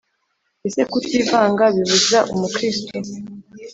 Ese kutivanga bibuza Umukristo